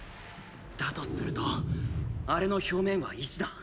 だとするとあれの表面は石だ。